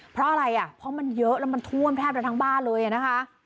เพราะอะไรอ่ะเพราะมันเยอะแล้วมันท่วมแทบจะทั้งบ้านเลยนะคะ